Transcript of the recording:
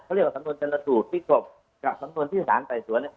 เขาเรียกว่าสำนวนจรสุทธิ์ภิกษบกับสำนวนที่ศาลต่ายสวนเนี่ย